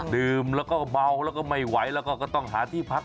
ดื่มแล้วก็เมาแล้วก็ไม่ไหวแล้วก็ก็ต้องหาที่พัก